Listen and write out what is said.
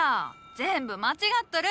全部間違っとる！